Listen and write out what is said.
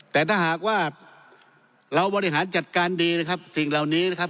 แต่ถ้าหากว่าเราบริหารจัดการดีนะครับสิ่งเหล่านี้นะครับ